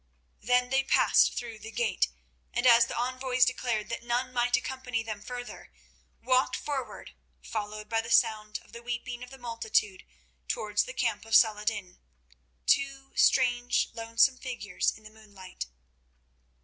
Then they passed through the gate, and as the envoys declared that none might accompany them further, walked forward followed by the sound of the weeping of the multitude towards the camp of Saladin, two strange and lonesome figures in the moonlight.